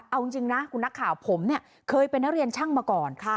เอาจริงนะคุณนักข่าวผมเนี่ยเคยเป็นนักเรียนช่างมาก่อน